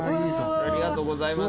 ありがとうございます。